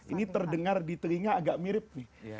ini terdengar di telinga agak mirip nih